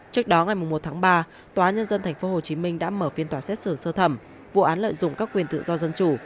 trước đó ngày một tháng ba tòa nhân dân tp hcm đã mở phiên tòa xét xử sơ thẩm vụ án lợi dụng các quyền tự do dân chủ